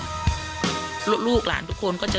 มีความรู้สึกว่า